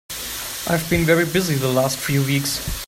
I've been very busy the last few weeks.